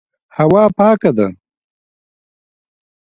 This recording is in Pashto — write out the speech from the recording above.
هوا پاکه ده.